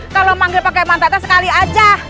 kalau manggil pakai mantata sekali aja